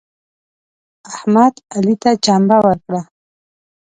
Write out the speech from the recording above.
احمد علي ته چمبه ورکړه.